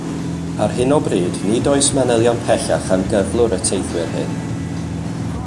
Ar hyn o bryd nid oes manylion pellach am gyflwr y teithwyr hyn.